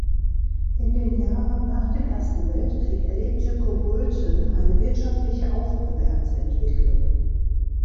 In den Jahren nach dem Ersten Weltkrieg erlebte Kobulten eine wirtschaftliche Aufwärtsentwicklung.